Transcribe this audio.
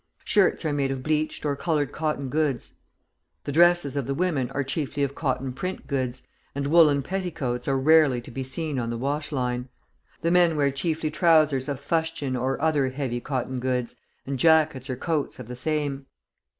Shirts are made of bleached or coloured cotton goods; the dresses of the women are chiefly of cotton print goods, and woollen petticoats are rarely to be seen on the washline. The men wear chiefly trousers of fustian or other heavy cotton goods, and jackets or coats of the same.